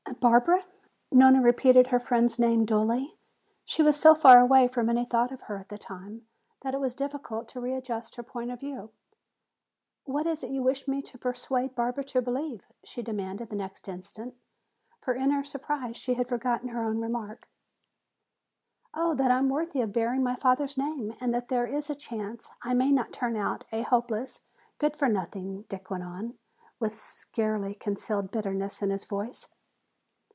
"Barbara?" Nona repeated her friend's name dully. She was so far away from any thought of her at the time that it was difficult to readjust her point of view. "What is it you wish me to persuade Barbara to believe?" she demanded the next instant. For in her surprise she had forgotten her own remark. "Oh, that I am worthy of bearing my father's name and that there is a chance I may not turn out a hopeless good for nothing," Dick went on, with a scarcely concealed bitterness in his voice.